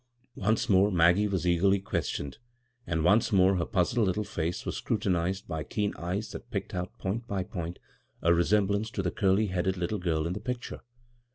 Once more Maggie was eagerly ques tioned, and once more her puzzled little face was scrutinized by keen eyes that picked out point by point a resemblance to the curly headed little girl in the picture.